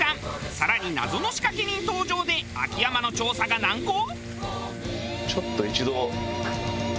更に謎の仕掛け人登場で秋山の調査が難航？